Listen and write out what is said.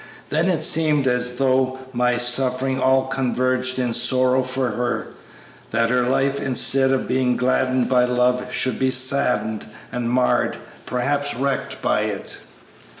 Then it seemed as though my suffering all converged in sorrow for her, that her life, instead of being gladdened by love, should be saddened and marred, perhaps wrecked, by it."